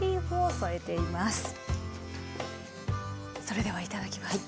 それではいただきます。